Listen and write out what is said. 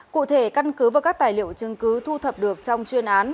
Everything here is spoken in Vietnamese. cụ thể căn cứ và các tài liệu chứng cứ thu thập được trong chuyên án